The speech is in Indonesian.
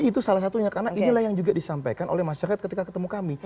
itu salah satunya karena inilah yang juga disampaikan oleh masyarakat ketika ketemu kami